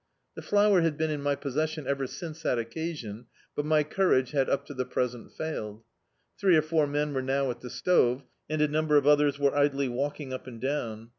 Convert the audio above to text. The flour had been in my possession ever since that occasion, but my courage had up to the present failed. Three or four men were now at the stove, and a number of others were idly walk ing up and down.